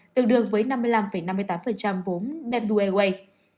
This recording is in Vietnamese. tương đương với năm mươi năm năm mươi tám vốn bamboo airways